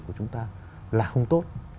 của chúng ta là không tốt